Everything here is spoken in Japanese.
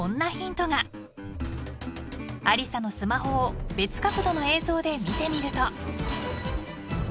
［アリサのスマホを別角度の映像で見てみると］